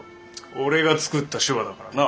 俺が作った手話だからな。